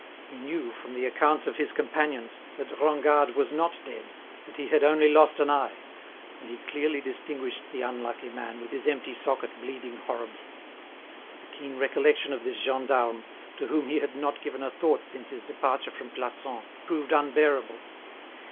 He knew, from the accounts of his companions, that Rengade was not dead, that he had only lost an eye; and he clearly distinguished the unlucky man with his empty socket bleeding horribly. The keen recollection of this gendarme, to whom he had not given a thought since his departure from Plassans, proved unbearable.